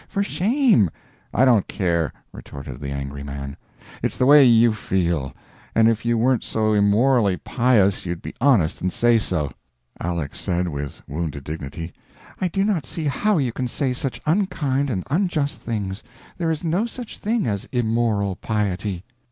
For shame!" "I don't care!" retorted the angry man. "It's the way _you _feel, and if you weren't so immorally pious you'd be honest and say so." Aleck said, with wounded dignity: "I do not see how you can say such unkind and unjust things. There is no such thing as immoral piety."